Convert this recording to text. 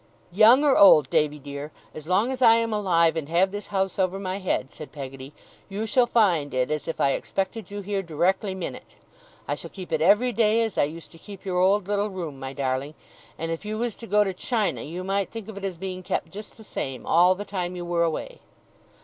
'Young or old, Davy dear, as long as I am alive and have this house over my head,' said Peggotty, 'you shall find it as if I expected you here directly minute. I shall keep it every day, as I used to keep your old little room, my darling; and if you was to go to China, you might think of it as being kept just the same, all the time you were away.